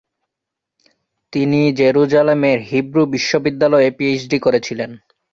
তিনি জেরুজালেমের হিব্রু বিশ্ববিদ্যালয়ে পিএইচডি করেছিলেন।